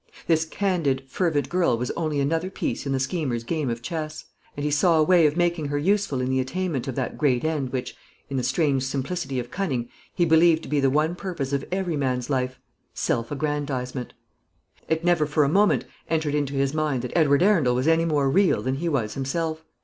This candid, fervent girl was only another piece in the schemer's game of chess; and he saw a way of making her useful in the attainment of that great end which, in the strange simplicity of cunning, he believed to be the one purpose of every man's life, Self Aggrandisement. It never for a moment entered into his mind that Edward Arundel was any more real than he was himself.